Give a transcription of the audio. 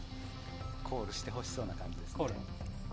コールしてほしそうな感じですね。